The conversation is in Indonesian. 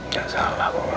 gak salah mama